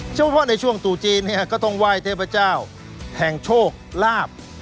เพราะว่าในช่วงตู่จีนก็ต้องไหว้เทพเจ้าแห่งโชคลาบ